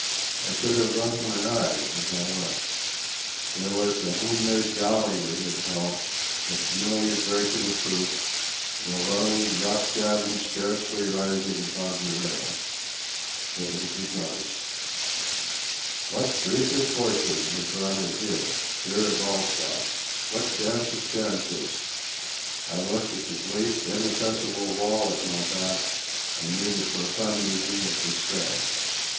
I could have rubbed my eyes as I looked. There was the home made galley we had built, the familiar break of the poop, the low yacht cabin scarcely rising above the rail. It was the Ghost. What freak of fortune had brought it here—here of all spots? what chance of chances? I looked at the bleak, inaccessible wall at my back and knew the profundity of despair.